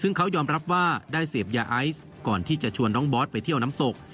ซึ่งเขายอมรับว่าได้เสพยาไอซ์ก่อนที่จะชวนน้องบอสไปเที่ยวน้ำตก